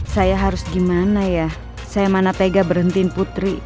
saya harus gimana ya saya mana tega berhentiin putri